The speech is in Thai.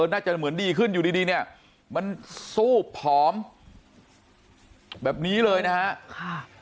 น่าจะเหมือนดีขึ้นอยู่ดีเนี่ยมันซูบผอมแบบนี้เลยนะฮะ